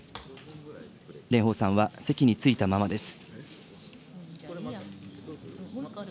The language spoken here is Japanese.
蓮舫さんは席に着いたままです。